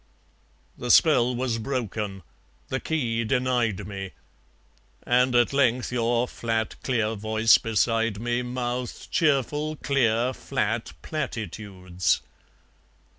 The spell was broken, the key denied me And at length your flat clear voice beside me Mouthed cheerful clear flat platitudes.